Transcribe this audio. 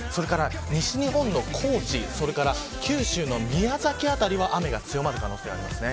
西日本の高知や九州の宮崎辺りも雨が強まる可能性があります。